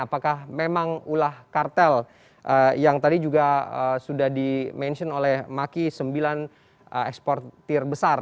apakah memang ulah kartel yang tadi juga sudah di mention oleh maki sembilan eksportir besar